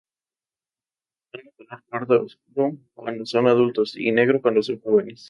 Son de color pardo oscuro cuando son adultos y negro cuando son jóvenes.